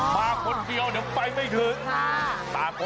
มาคนเดียวเดี๋ยวไปไม่ถึง